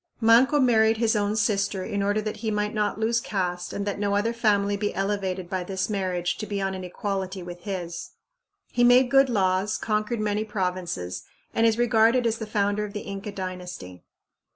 Manco married his own sister in order that he might not lose caste and that no other family be elevated by this marriage to be on an equality with his. He made good laws, conquered many provinces, and is regarded as the founder of the Inca dynasty.